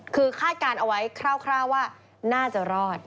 คือคาดการณ์เอาไว้คร่าวว่าน่าจะรอด